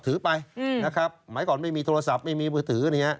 ถือไปไหมก่อนไม่มีโทรศัพท์ไม่มีมือถือ